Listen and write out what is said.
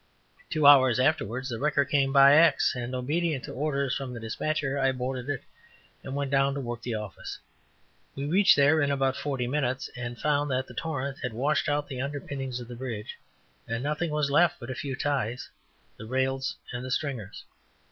Two hours afterwards the wrecker came by X and, obedient to orders from the despatcher, I boarded it and went down to work the office. We reached there in about forty minutes and found that the torrent had washed out the underpinning of the bridge, and nothing was left but a few ties, the rails and the stringers.